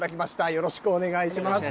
よろしくお願いします。